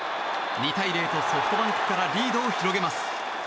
２対０とソフトバンクからリードを広げます。